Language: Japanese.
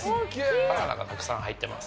バナナがたくさん入ってます。